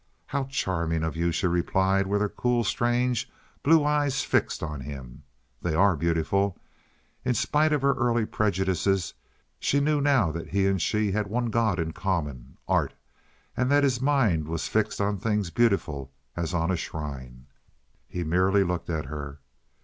"How charming of you!" she replied, with her cool, strange, blue eyes fixed on him. "They are beautiful." In spite of her earlier prejudices she knew now that he and she had one god in common—Art; and that his mind was fixed on things beautiful as on a shrine. He merely looked at her.